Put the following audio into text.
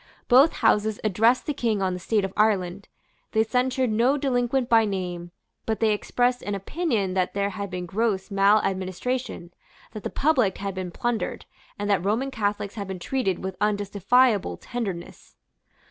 Both Houses addressed the King on the state of Ireland. They censured no delinquent by name; but they expressed an opinion that there had been gross maladministration, that the public had been plundered, and that Roman Catholics had been treated with unjustifiable tenderness.